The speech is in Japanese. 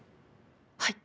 はい。